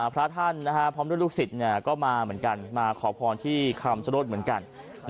พระท่านพร้อมด้วยลูกศิษย์ก็มาเหมือนกันมาขอพรที่คำชโนธเหมือนกัน